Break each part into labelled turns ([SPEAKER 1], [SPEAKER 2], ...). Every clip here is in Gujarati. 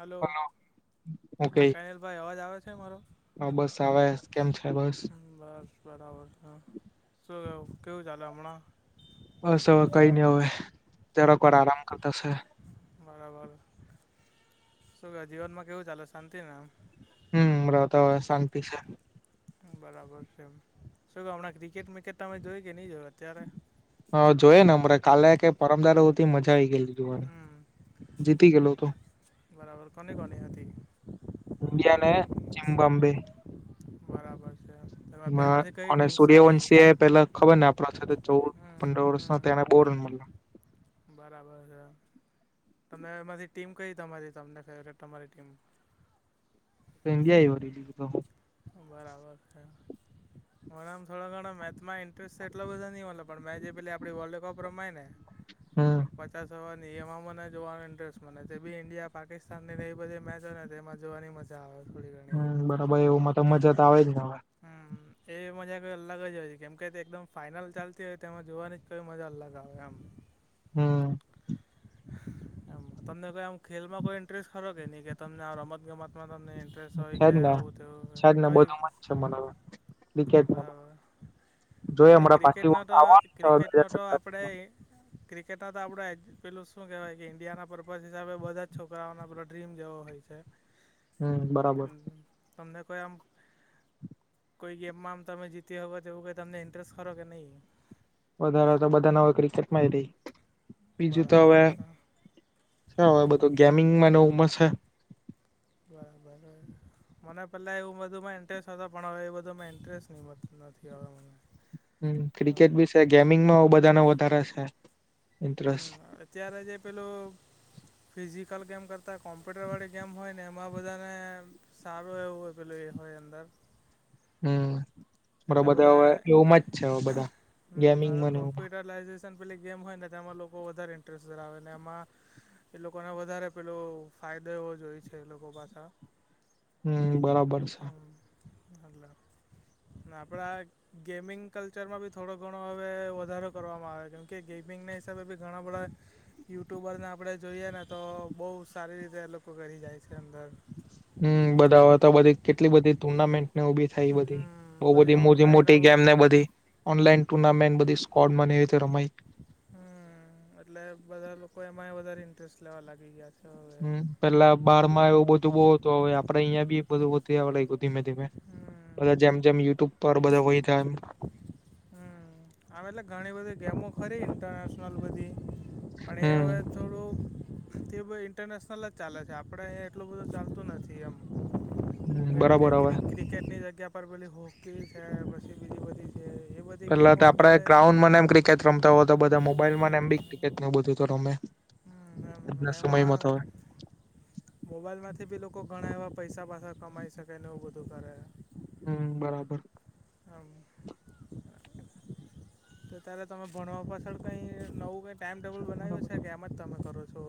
[SPEAKER 1] હલો હા કાયલ ભાઈ અવાજ આવે છે મારો?
[SPEAKER 2] હા બસ આવે કેમ છે બસ
[SPEAKER 1] બસ બરાબર છું શું કેવું ચાલે હમણાં?
[SPEAKER 2] બસ હવે કઈ નઈ હવે જરાક વાર આરામ
[SPEAKER 1] બરાબર.
[SPEAKER 2] કરતા છે
[SPEAKER 1] બરાબર શું કે જીવનમાં કેવું ચાલે શાંતિ ને આમ?
[SPEAKER 2] હમ્મ અમના તો શાંતિ છે.
[SPEAKER 1] બરાબર છેમ શું કે હમણાં ક્રિકેટ મેકેજ તમે જોઈ કે નહી જોય અત્યારે?
[SPEAKER 2] હા જોઈએ ને અમારે કાલે કે પરમદાર હુધી મજા આઇ ગયેલી જોવાની
[SPEAKER 1] હમ
[SPEAKER 2] જીતી ગેલું હતું.
[SPEAKER 1] બરાબર કોની કોની હતી.
[SPEAKER 2] ઈન્ડિયા અને ઝિમ્બાબ્વે
[SPEAKER 1] બરાબર છે હવે
[SPEAKER 2] [unintelligible] અને સૂર્યવંશીએ પેલા ખબર ને આપડા સાથે ચૌદ
[SPEAKER 1] હમ
[SPEAKER 2] પંદર વર્ષનો
[SPEAKER 1] હમ
[SPEAKER 2] તેને બઉ રન માંરેલા.
[SPEAKER 1] બરાબર તમે એમાથી ટીમ કઈ તમારી તમને ફેવરેટ તમારી ટીમ
[SPEAKER 2] ઈન્ડિયા [unintelligible] તો
[SPEAKER 1] બરાબર છે. મને આમ થોડો ઘણો મેચમાં ઇન્ટરેસ્ટ એટલો બધો નહી મલે પણ મે જે પેલી આપડી વર્લ્ડકપ રમાય ને
[SPEAKER 2] હમ્મ.
[SPEAKER 1] પચાસ ઓવરની એમાં મને જોવાનો ઇન્ટરેસ્ટ મને તેબી ઇન્ડિયા પાકિસ્તાનનીને એવી બધી મેચ હોય ને તેમાં જોવાની મસ મજા આવે થોડી ઘણી
[SPEAKER 2] હવે એવું માં તો મજા ત આવે જ ને હવે.
[SPEAKER 1] હમ્મ. એવી મજા કઈ અલગ જ હોય છે કેમ કે તે એકદમ ફાઈનલ ચાલતી હોય તેમાં જોવાની કોઈ મજા અલગ આવે આમ
[SPEAKER 2] હમ્મ.
[SPEAKER 1] [inaudible] [unintelligible] તમને કોઈ આમ ખેલમાં કોઈ ઇન્ટરેસ્ટ ખરો નહી કે તમને આ રમત ગમતમાં તમને ઈન્ટરેસ્ટ હોય
[SPEAKER 2] છે
[SPEAKER 1] કે
[SPEAKER 2] જ ને
[SPEAKER 1] આવું તેવું
[SPEAKER 2] છે જ ને
[SPEAKER 1] કઈ
[SPEAKER 2] બધું મજ છે મ ન.
[SPEAKER 1] બરાબર.
[SPEAKER 2] જોઈ
[SPEAKER 1] ને
[SPEAKER 2] હમણાં પાછી
[SPEAKER 1] ક્રિકેટનો તો
[SPEAKER 2] આવવાનું છે હવે બે
[SPEAKER 1] ક્રિકેટનો
[SPEAKER 2] હજાર
[SPEAKER 1] તો
[SPEAKER 2] સત્તાવીસ
[SPEAKER 1] આપણેે ક્રિકેટનો તો આપણે પેલું શુ કહેવાય કે ઈન્ડિયા ના પર્પઝ હિસાબે બધા છોકરાઓને પેલો ડ્રીમ જેવો હોય છે.
[SPEAKER 2] હમ બરાબર
[SPEAKER 1] હ તમને કોઈ આમ કોઈ ગેમમાં આમ તમે જીત્યા હોય તો એવું કંઈ તમને ઇન્ટરેસ્ટ ખરો કે નહીં?
[SPEAKER 2] વધારે તો બધાને હવે ક્રિકેટમાં ય રહી, બીજું તો હવે
[SPEAKER 1] બરાબર હા
[SPEAKER 2] છે હવે બધો ગેમિંગમાં ન ઉંમર છે.
[SPEAKER 1] બરાબર મને પેલા એવું બધુંમાં ઇન્ટરેસ્ટ હતો પણ હવે એ બધા મા ઇન્ટરેસ્ટ નથી હવે મને.
[SPEAKER 2] હમ્મ,
[SPEAKER 1] એમ
[SPEAKER 2] ક્રિકેટ બી છે ગેમિંગમાં હવ બધાને વધારે છે ઇન્ટરેસ્ટ.
[SPEAKER 1] ત્યારે જે પેલું ફિઝિકલ ગેમ કરતાં કોમ્પ્યુટરવાળી ગેમ હોય ને એમાં બધાને સારો એવું હોય પેલું એ હોય અંદર.
[SPEAKER 2] હમ્મ [unintelligible] બધા હવે [unintelligible] જ છે હવે બધા
[SPEAKER 1] હમ હવે
[SPEAKER 2] ગેમિંગમાં ને એ બધા.
[SPEAKER 1] પેલી ગેમ હોય ને તેમાં લોકો વધારે ઇન્ટરેસ્ટ ધરાવેને એમાં એ લોકોને વધારે પેલો ફાયદો એવો જોઈ છે એ લોકો પાછા
[SPEAKER 2] હમ્મ, બરાબર છે.
[SPEAKER 1] [unintelligible] ના આપણા ગેમિંગ કલ્ચરમાં બી થોડો ઘણો હવે વધારો કરવામાં આવે કેમ કે ગેમિંગના હિસાબે બી ઘણા બધા યુટ્યુબરને આપણે જોઈએ ને તો બહુ સારી રીતે લોકો કરી જાય છે અંદર
[SPEAKER 2] હમ્મ, બધા હવે તો બધી કેટલી બધી ટુર્નામેન્ટ ને ઉભી થઈ બધી
[SPEAKER 1] હમ
[SPEAKER 2] બઉ બધી મોજી
[SPEAKER 1] ઓનલાઈનો
[SPEAKER 2] મોટી ગેમ ને બધી ઓનલાઈન ટુર્નામેન્ટ બધી સ્કોડમાં ને એવી રીતે રમાએ.
[SPEAKER 1] હમ્મ, એટલે બધા લોકો એમાંય વધારે ઇન્ટરેસ્ટ લેવા લાગી ગયા છે. હવે
[SPEAKER 2] હમ્મ, પેલા બારમાં એવું બધું બઉ હ તું તો હવે આપડે અહિયાં ભી બધું વધતું આવડે એ તો ધીમે ધીમે
[SPEAKER 1] હમ
[SPEAKER 2] બધા જેમ જેમ યુટ્યુબ પર બધા હોય ત્યાં એમ
[SPEAKER 1] હમ્મ, હા હવે એટલે ઘણી બધી ગેમો ખરી ઇન્ટરનેશનલ બધી પણ એ
[SPEAKER 2] હમ
[SPEAKER 1] હવે થોડુંક તે બધું ઇન્ટરનેશનલ જ ચાલે છે આપણે અહી એટલું બધું ચાલતું નથી એમ.
[SPEAKER 2] હમ
[SPEAKER 1] જેમ કે
[SPEAKER 2] બરાબર હવે
[SPEAKER 1] ક્રી ક્રિકેટની જગ્યા પર પેલી હોકી છે પછી બીજી બધી છે એ બ
[SPEAKER 2] પેલા તો આપડે ગ્રાઉન્ડ મા ને એમ ક્રિકેટ રમતા હો તો બધા મોબાઈલમાંને એમ ભી ક્રિકેટ ને બધું તો રમે.
[SPEAKER 1] હમ્મ, ને એમ
[SPEAKER 2] આજના સમયમાં
[SPEAKER 1] એમાં
[SPEAKER 2] તો હવે
[SPEAKER 1] મોબાઈલમાંથી ભી લોકો ઘણા એવા પૈસા પાસા કમાઈ શકે ને એવું બધું કરે હ.
[SPEAKER 2] હમ્મ, બરાબર.
[SPEAKER 1] આમ તો તાર તમાર ભણવા પાછળ કંઈ નવું કંઈ ટાઈમટેબલ બનાવ્યું
[SPEAKER 2] બરાબર
[SPEAKER 1] છે કે એમ જ તમે કરો છો?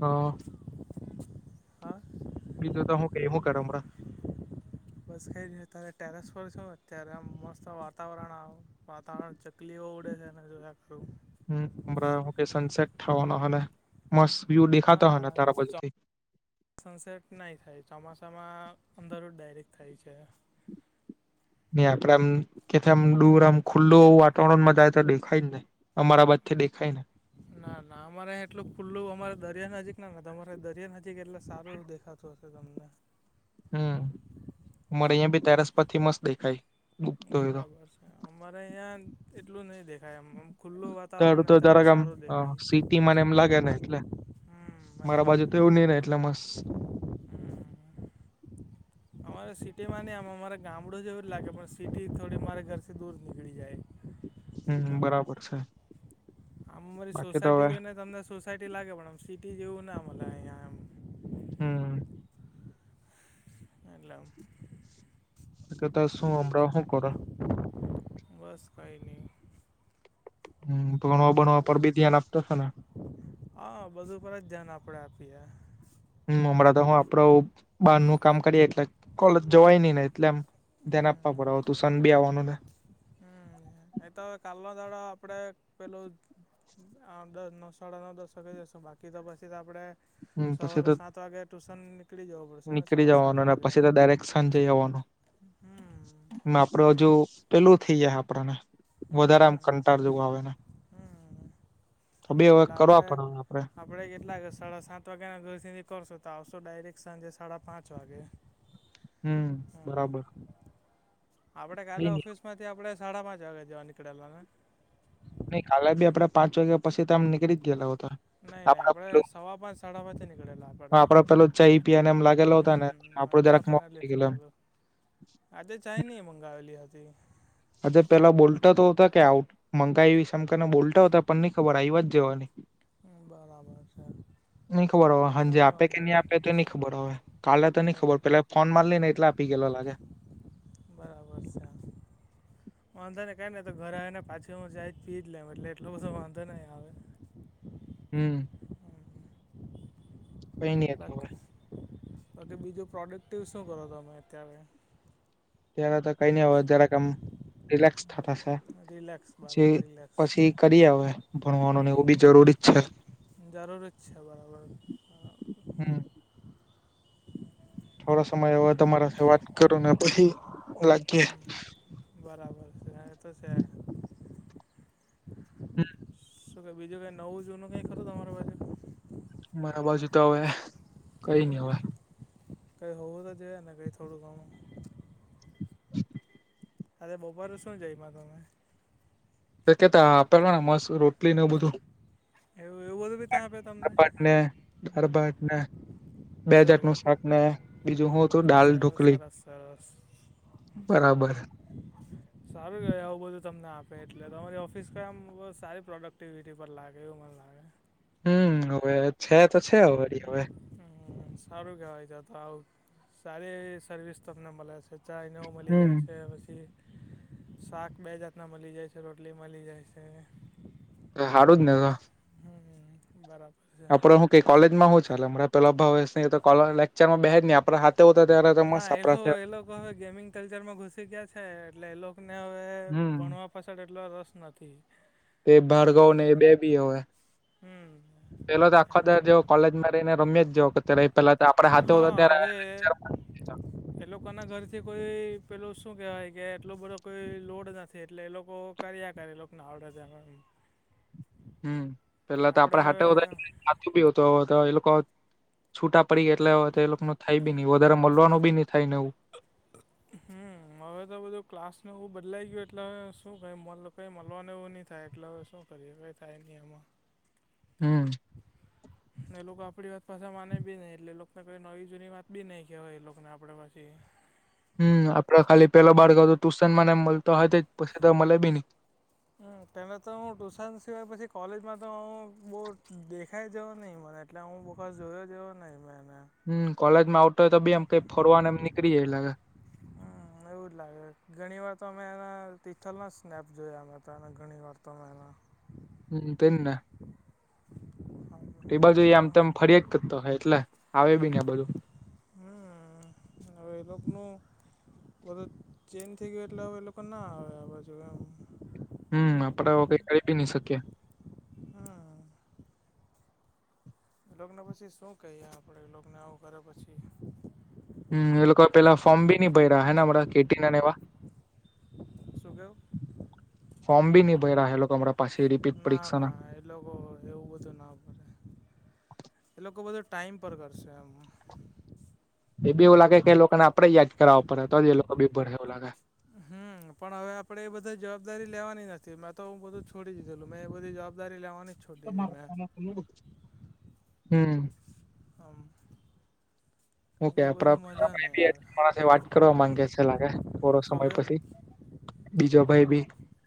[SPEAKER 2] હ અ અ.
[SPEAKER 1] હા?
[SPEAKER 2] બીજું તો હું કહીએ હું કરે હમણાં?
[SPEAKER 1] બસ કઈ નહીં અત્યારે ટેરેસ પર છું અત્યારે આમ મસ્ત વાતાવરણ આમ વાતાવરણ ચકલીઓ ઉડે છે ને જો [unintelligible]
[SPEAKER 2] હમ્મ, હમણાં હું કે સનસેટ થવાનો હને મસ્ત વ્યુ દેખાતો
[SPEAKER 1] ના
[SPEAKER 2] હને તારા બાજુથી?
[SPEAKER 1] સનસેટ નહિ થાય ચોમાસામાં અંદરું જ ડાયરેક્ટ થાય છે.
[SPEAKER 2] ને આપડે આમ કેથે આમ દૂર આમ ખુલ્લું વાતાવરણમાં જાય તો દેખાય જ ને અમારા બાજ થી દેખાય ને.
[SPEAKER 1] ના, ના, અમારે અહીંયા આટલું ખુલ્લું અમારે દરિયા નજીક ના દેખાય તમાર દરિયા નજીક એટલે સારું દેખા તું હશે તમને?
[SPEAKER 2] હમ્મ, મરે
[SPEAKER 1] આમ
[SPEAKER 2] અહીયાં ભી ટેરેસ પરથી મસ્ત દેખાય. ડૂબતો હોય તો
[SPEAKER 1] બરાબર છે. અમારે અહીંયા એટલું નહી દેખાય આમ મમ
[SPEAKER 2] તારું તો જારાક આમ અ હ સિટી મને એમ લાગે ને એટલે
[SPEAKER 1] હમ
[SPEAKER 2] મારા
[SPEAKER 1] એટલે
[SPEAKER 2] બાજુ તો
[SPEAKER 1] હમ
[SPEAKER 2] એવું નહીં રે એટલે મસ્ત
[SPEAKER 1] અમારે સિટીમાં નહી આમ અમારે ગામડું જ એવું લાગે પણ સિટી થોડી મારા ઘરથી દૂર નીકળી
[SPEAKER 2] હમ
[SPEAKER 1] જાય.
[SPEAKER 2] બરાબર છે
[SPEAKER 1] આમ અમારી
[SPEAKER 2] બાકી તો
[SPEAKER 1] સોસાયટી
[SPEAKER 2] હવે
[SPEAKER 1] જોઈને તમને સો સાઇટી લાગે પણ આમ સિટી જેવું ન મલે આહિયા.
[SPEAKER 2] હમ્મ.
[SPEAKER 1] એટલે આમ
[SPEAKER 2] તો કે તો શું હમરા હું કર?
[SPEAKER 1] બસ કઈ નહી.
[SPEAKER 2] હમ્મ, ભણવા બણવા પર ભી ધ્યાન આપતો હશે ને?
[SPEAKER 1] હા, બધુ પર જ ધ્યાન આપડે આપીએ.
[SPEAKER 2] હું હમણાં તો હું આપડ બહારનું કામ કરીએ એટલે કોલેજ જવાય નહી ને એટલે આમ ધ્યાન આપવા પડે હવે તુશન ભી આવવાનું ને.
[SPEAKER 1] હમ્મ, એતો કાલનો દાડો આપડણે પેલું આ દસ નવ સાડા નવ દસ વાગે જઈશું બાકી તો પછી તો આપડે
[SPEAKER 2] હમ પછી
[SPEAKER 1] સવારે તો સાત વાગે ટ્યુશન નીકળી જઉ
[SPEAKER 2] નીકળી જવાનુ અને પછી તો ડાયરેક સાંજય આવવાનો
[SPEAKER 1] હમ
[SPEAKER 2] આપડે
[SPEAKER 1] એમ
[SPEAKER 2] હજુ પેલું થઈ જાય આપણને વધારે આમ કંટાળ જેવું આવે ને
[SPEAKER 1] હમ્મ
[SPEAKER 2] તો બી હવે
[SPEAKER 1] એટલે
[SPEAKER 2] કરવા
[SPEAKER 1] આપડે
[SPEAKER 2] પડે આપડે
[SPEAKER 1] આપણે કેટલા સાડા સાત વાગ્યા ના ઘર થી નીકરશો તો આવશો ડાયરેક્ટ સાંજે સાડા પાંચ વાગે
[SPEAKER 2] હમ્મ બરાબર
[SPEAKER 1] આપડે
[SPEAKER 2] કઈ
[SPEAKER 1] કાલે
[SPEAKER 2] નઈ
[SPEAKER 1] ઓફિસ માંથી આપડે સાડા પાંચ વાગે જવા નીકળેલા ને
[SPEAKER 2] નઈ કાલે બી આપડા પાંચ વાગ્યા પછી તો આમ નીકળી જ ગયેલા હતા
[SPEAKER 1] નઈ નઈ
[SPEAKER 2] આપડ
[SPEAKER 1] આપડે
[SPEAKER 2] પેલું
[SPEAKER 1] સવા પાંચ સાડા પાંચે નીકળેલા આપડે
[SPEAKER 2] પેલું ચઈ પીને એમ લાગેલો હતા ને
[SPEAKER 1] હમ્મ
[SPEAKER 2] આપડો
[SPEAKER 1] એટલે
[SPEAKER 2] જરાક મોડું થઈ ગયેલું
[SPEAKER 1] [unintelligible] આજે ચાય નય મંગાવેલી હતી
[SPEAKER 2] આજે પેલા બોલતા તો હતા કે આઉટ મંગાવ સમ કેને બોલતા હતા પણ નઈ ખબર આવી જવાની
[SPEAKER 1] હ બરાબર છે
[SPEAKER 2] નઈ ખબર હો
[SPEAKER 1] સલાહ
[SPEAKER 2] હાજી આપે કે
[SPEAKER 1] વાંધો
[SPEAKER 2] નહી
[SPEAKER 1] નહીં
[SPEAKER 2] આપે તો નહી ખબર હો કાલે તો નઈ
[SPEAKER 1] એવું
[SPEAKER 2] ખબર પેલા ફોન માર લ ને એટલે આપી ગે લાગે
[SPEAKER 1] બરાબર છે
[SPEAKER 2] [inaudible]
[SPEAKER 1] વાંધો નને કાઈ ને તો ઘરે આવે ને પાછીમાં જાય જ પી જ લેમ એટલે એટલો બધો વાંધો નહી આવે
[SPEAKER 2] હમ કઈ નઈવે
[SPEAKER 1] તોકે બીજો પ્રોડક્ટિવ શું કરો તમે અત્યારે
[SPEAKER 2] ત્યારે તો કઈ નઈ હો જ્યારે કામ રિલેક્સ થતા જે
[SPEAKER 1] રિલેક્સ બરાબર રિલેક્સ
[SPEAKER 2] પછી કરી આવે ભણવાનુંને એ બી જરૂરી જ છે
[SPEAKER 1] જરૂર જ છે બરાબર
[SPEAKER 2] હમ થોડા સમય એવા તમારા સાથે વાત કરો ને પછી લાગીએ
[SPEAKER 1] હમ બરાબર છે એ તો છે
[SPEAKER 2] હ [unintelligible]
[SPEAKER 1] તો કે બીજું કં નવું જૂનું કંઈકું તમારા પાસેે
[SPEAKER 2] મારા બાજુ તો હવે કઈ નઈ હવે
[SPEAKER 1] કઈ હોવું તો જ ને કઈ થોડું ઘમું
[SPEAKER 2] [inaudible]
[SPEAKER 1] અરે બપોરે શું જઈમાં તમે
[SPEAKER 2] કેતા આપેલો ને મસ્ત રોટલી ને બધું
[SPEAKER 1] એવ એવું બું ત્યા
[SPEAKER 2] દાળભાત ને દાળભાત ને બે જાાટ
[SPEAKER 1] એવું
[SPEAKER 2] નું શાક ને બીજું હું હતું ડાલ
[SPEAKER 1] ચાલો
[SPEAKER 2] ઢોકલી
[SPEAKER 1] સરસ સરસ
[SPEAKER 2] બરાબર
[SPEAKER 1] [inaudible] સારું ગ આવું બધું તમને આપે એટલે તમારી ઓફિસ કામ બ સારી પ્રોડક્ટિવિટી પર લાગે એવું મને લાગે
[SPEAKER 2] હવે છે તો છે વડી હવે
[SPEAKER 1] હમ સારું કહેવાય છે તો આવ સારી સર્વિસ તમને મળે છે ચા ને હવ મળી છે
[SPEAKER 2] હમ
[SPEAKER 1] શાક બે જાતના મળી જાય છે રોટલી મળી જાય છે
[SPEAKER 2] તો હાારું જ ને તો
[SPEAKER 1] હમ બરાબર છે
[SPEAKER 2] આપડે હું કઈ કોલેજમાં હું ચાલે હમણાં પેલા ભાવેશ એતો કો લેકચર માં બેહે જ નહી આપણા હાથે હોતા ત્યારે
[SPEAKER 1] ના
[SPEAKER 2] મસ્ત
[SPEAKER 1] એ
[SPEAKER 2] આપડા
[SPEAKER 1] લોકો એ લોકો હવે ગેમિંગ કલ્ચરમાં ઘુસી ગયા છે એટલે એ લોકને હવે
[SPEAKER 2] હમ
[SPEAKER 1] ભણવા પછાળ એટલો રસ નથી.
[SPEAKER 2] તે ભાર્ગવ
[SPEAKER 1] આમ
[SPEAKER 2] ને એ બે બી હવે [unintelligible]
[SPEAKER 1] હમ
[SPEAKER 2] પેલો તો આખો દાડો જે કોલેજમાં [unintelligible] રમ્યા જ જેવો કરતો અત્યારે એ પેલા તો આપડે હાથે હોતો
[SPEAKER 1] હા
[SPEAKER 2] ત્યારે
[SPEAKER 1] હવે
[SPEAKER 2] લેક્ચર [unintelligible]
[SPEAKER 1] એ લોકોના ઘરથી કોઈ પેલું શું કહેવાય કે એટલો બધો કોઈ લોડ નથી એટલે એ લોકો કર્યા કરે [unintelligible] [inaudible]
[SPEAKER 2] હમ પેલા તો
[SPEAKER 1] આપણે
[SPEAKER 2] આપડે
[SPEAKER 1] હવે
[SPEAKER 2] હાતે ઉતા એટલે હથું બી હતો એ લોકો છૂટા પડી ગ એટલા એ લોકો થાય બી ની વધારે મળવાનું બી ની થાય ને એવું
[SPEAKER 1] હમ હવે તો બધું ક્લાસનું એવું બદલાઈ ગયું એટલે શું કઈ કંઈ મળવાનું એવું નહી થાય એટલે શું કરીએ કઈ થાય નહીં એમાં..
[SPEAKER 2] હમ
[SPEAKER 1] [inaudible] ને એ લોકો આપડી વાત પાાછા માને બી ની એટલે એ લોકોને કઈ નવી જૂની વાત બી નઈ કેહેવાય એ લોકોને અપડે પાછી
[SPEAKER 2] હમ્મ. આપણા ખાલી પેલો ભાર્ગવ તો ટ્યુશનમાં ને એમ મલતો તે જ પછી તો મલે બી ની.
[SPEAKER 1] હમ્મ. તને તો હું ટુશન સિવાય પછી કોલેજમાં તો હું બહુ દેખાઈ જવ નહિં મળે. એટલે હું બો ખાસ જોયો જેવો નઈ મે એને
[SPEAKER 2] હમ્મ. કોલેજ માં આવતો હોય તો બે એમ કંઈ ફરવાને એ નીકળી જાય લાગે
[SPEAKER 1] હા એવું જ લાગે. ઘણી વાર તો માં એના તિથલના સ્નેપ જોયા મેં તો ઘણી વાર તો મેં એના [inaudible]
[SPEAKER 2] હમ્મ-હમ્મ તે ને. તે બાજું એ
[SPEAKER 1] એટલે
[SPEAKER 2] આમ તેમ ફર્યા જ કરતો ઓહે એટલે, આવે બી ની આ બાજું.
[SPEAKER 1] હમ્મ હવે એ લોકનું કોલેજ ચેન થઈ ગયો એટલે હવે એ લોકો ના આવે આ બાજું એમ.
[SPEAKER 2] હમ્મ. આપણે હવે કંઈ કરી બી નઈ શકીએ.
[SPEAKER 1] હમ્મ. એ લોકને પછી શું કહીએ આપણેે એ લોકને આવું કરે પછી.
[SPEAKER 2] હમ્મ. એ લોકો પેલા ફોર્મ બી નહીં ભઈરા ઓહે ને કે ટી ને એવાં.
[SPEAKER 1] શું કેવું
[SPEAKER 2] [unintelligible] ફોર્મ ભી ની ભઈરા હે લોકો હમણાં પાછી રિપીટ પરીક્ષા ના.
[SPEAKER 1] એ લોકો એવું બધું ના કરે. [unintelligible] એ લોકો બધું ટાઈમ પર કરશે એમ.
[SPEAKER 2] એ બી ઓલાં કાંઈક એ લોકોને આપણે યાદ કરાવવા પડે, તો જ એ લોકો [unintelligible] ભરે એવું લાગે.
[SPEAKER 1] હમ્મ. પણ હવે આપણે એ બધી જવાબદારી લેવાની નથી, મેં તો હું બધું છોડી દીધેલું. મેં એ બધી જવાબ દારી લેવાની છ
[SPEAKER 2] [unintelligible] હમ્મ.
[SPEAKER 1] [unintelligible] હમ્મ.
[SPEAKER 2] હું
[SPEAKER 1] મજા નહીં
[SPEAKER 2] કહે?
[SPEAKER 1] આવે
[SPEAKER 2] [unintelligible] વાત કરવા માંગે છે લાગે, થોડો
[SPEAKER 1] શું
[SPEAKER 2] સમય
[SPEAKER 1] કેવું
[SPEAKER 2] પછી. બીજો ભાઈ બી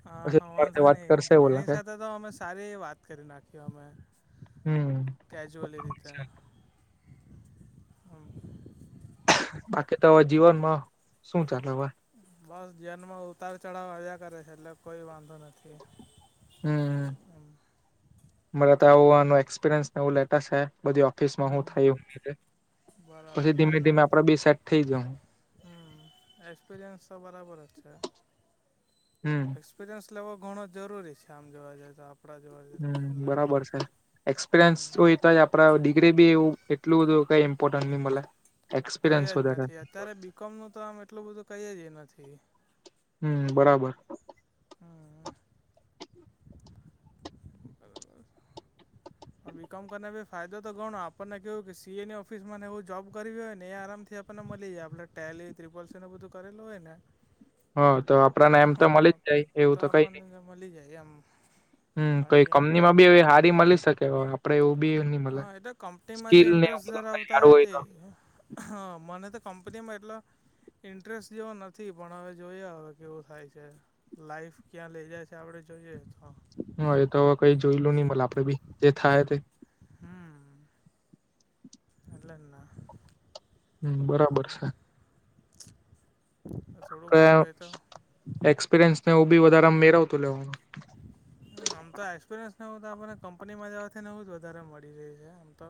[SPEAKER 1] હા,
[SPEAKER 2] પછી
[SPEAKER 1] હા
[SPEAKER 2] તમારી સાથે
[SPEAKER 1] વાંધો
[SPEAKER 2] વાત
[SPEAKER 1] નહીં.
[SPEAKER 2] કરશે એવું
[SPEAKER 1] એની
[SPEAKER 2] લાગે
[SPEAKER 1] સાથે તો અમે સારી એવી વાત કરી નાખી અમે.
[SPEAKER 2] હમ.
[SPEAKER 1] કેજ્યુઅલી રીતે. હમ્મ
[SPEAKER 2] બાકી તો હવે જીવનમાં શું ચાલે હવે?
[SPEAKER 1] બસ જીવન માં ઉતાર ચઢાવ આવ્યા કરે છે, એટલે કોઈ વાંધો નથી.
[SPEAKER 2] હમ્મ. મને તો [unintelligible] એક્સપિરીયન્સ ને એવું લેતાં સે, બધી [unintelligible] ઓફીસમાં હું
[SPEAKER 1] હમ
[SPEAKER 2] થાય હું ની તે
[SPEAKER 1] બરાબર
[SPEAKER 2] પછી ધીમે-ધીમે આપણે બી સેટ થઈ જહું.
[SPEAKER 1] હમ્મ. એક્સપીરિયન્સ તો બરાબર જ છે.
[SPEAKER 2] હમ્મ.
[SPEAKER 1] એક્સપિરિયન્સ લેવો ઘણો જરૂરી છે આમ જોવા જઈએ તો આપણા જોવા જઈએ એટલે. હમ
[SPEAKER 2] એક્સપિરિયન્સય તો ઈ તો જે આપણા ડિગ્રી બી એવું એટલું બધું કંઈ ઇમ્પોર્ટન્ટ નહીં મલે.
[SPEAKER 1] કંઈ
[SPEAKER 2] એક્સપિરિયન્સ
[SPEAKER 1] જ
[SPEAKER 2] વધારે
[SPEAKER 1] નથી. અત્યારે બી કોમ નું તો આમ એટલું બધું કંઈ જ નથી.
[SPEAKER 2] હમ્મ, બરાબર.
[SPEAKER 1] હમ્મ-હમ્મ, બરાબર. આ બી કોમ કરને મે ફાયદો તો ઘણો, આપણને કેવું કે સી એની ઓફિસામાંને એવું જોબ કરવી હોય ને એ આરામથી આપ પણને મલી જાય. આપણે ટેલી ને ત્રિપલ સી ને એવું બધું કરેલું હોય ને.
[SPEAKER 2] હા તો આપણાંને એમ તો મલી જ જાય.
[SPEAKER 1] તો આપણને જે મલી જાય એમ.
[SPEAKER 2] હમ્મ. કંઈ
[SPEAKER 1] બાકી એમ તો
[SPEAKER 2] કંપનીમાં બી એવી હારી મલી શકે, હવે આપણે એવું બી ની મલે.
[SPEAKER 1] હા [unintelligible]
[SPEAKER 2] સ્કીલ
[SPEAKER 1] જે
[SPEAKER 2] ને એવું
[SPEAKER 1] ઇન્ટરેસ્ટ
[SPEAKER 2] બધું કઈ
[SPEAKER 1] ધરાવતા
[SPEAKER 2] હારું
[SPEAKER 1] હોય તે.
[SPEAKER 2] તો
[SPEAKER 1] મને તો કંપનીમાં એટલો ઇન્ટરેસ્ટ જેવો નથી, પણ હવે જોઈએ હવે કેવું થાય છે. લાઈફ ક્યાં લઈ જાય છે એ આપણે જોઈએ તો.
[SPEAKER 2] હમ્મ. હવે તો કંઈ જોઈલું નહીં મલે, આપણે ભી જે થાય તે
[SPEAKER 1] હમ એટલે જ ના,
[SPEAKER 2] હમ બરાબર
[SPEAKER 1] હમ
[SPEAKER 2] છે કયા એક્સપિરિયન્સ ને એવું બી વધારે આમ મેળવતું લેવાનું.
[SPEAKER 1] [inaudible] આમ તો એક્સપિરિયન્સ નું તો આપણને કંપનીમાં જવાથી નવું જ વધારે મળી રહી છે તો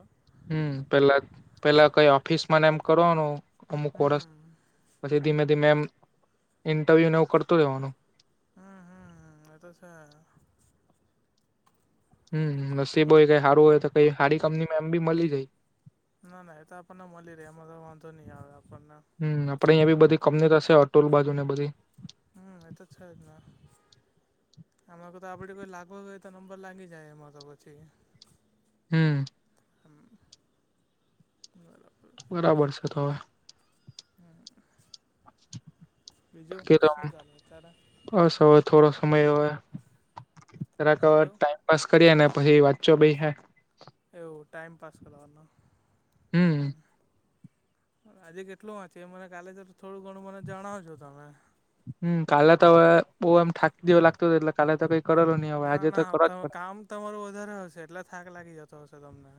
[SPEAKER 2] હમ પેલા પેલા કઈ ઓફિસ માને એમ કરવાનું અમુક વરષ
[SPEAKER 1] હમ
[SPEAKER 2] પછી ધીમે ધીમે એમ ઇન્ટરવ્યુને એવું કરતું રહેવાનું.
[SPEAKER 1] હમ હમ હ એતો છે. એટલે
[SPEAKER 2] હમ નસીબ હોય તો સારું હોય તો કઈ સારી કંપનીમાં એમ બી મળી જાય.
[SPEAKER 1] ના ના એ તો આપણને મળી રહે એમાં તો વાંધો નહીં આવે આપણને
[SPEAKER 2] હમ આપડે અહીયા બી બધી કંપની ત છે અટોલ બાજુ ને બધી
[SPEAKER 1] હમ એતો છે જ ને આમા તો આપડ કોઈ લાગવગ હોય તો નંબર લાગી જાય એમાં તો પછી
[SPEAKER 2] હમ.
[SPEAKER 1] હમ.
[SPEAKER 2] બરાબર છે. [unintelligible] [inaudible]
[SPEAKER 1] બીજું
[SPEAKER 2] બાકી તો
[SPEAKER 1] શું જાન [unintelligible]
[SPEAKER 2] બસ હવે થોડો સમય હવે
[SPEAKER 1] શું કેવું
[SPEAKER 2] [unintelligible] બસ કરીએ ને પછી વાંચવા બેહીયે.
[SPEAKER 1] એવું ટાઈમ પાસ કરવાનું.
[SPEAKER 2] હમ
[SPEAKER 1] હ હ આજે કેટલું વાંચે એ મને કાલે તો થોડું ઘણું મને જણાવજો તમે
[SPEAKER 2] હમ કાલે તો હવે બો એમ થાકી જેવું લાગતું હત એટલે કાલે તો કઈ કરેલો નહી હવે
[SPEAKER 1] ના
[SPEAKER 2] આજે તો
[SPEAKER 1] ના
[SPEAKER 2] કરવા જ
[SPEAKER 1] તમે
[SPEAKER 2] પડે
[SPEAKER 1] કામ તમારું વધારે હશે એટલે થાક લાગી જતો હશે તમને.